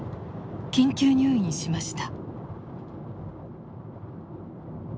緊急入院しました。